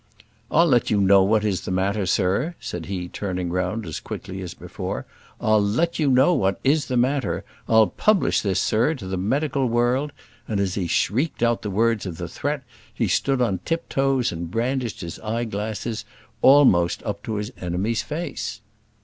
"I'll let you know what is the matter, sir," said he, turning round again as quickly as before. "I'll let you know what is the matter. I'll publish this, sir, to the medical world;" and as he shrieked out the words of the threat, he stood on tiptoes and brandished his eye glasses up almost into his enemy's face.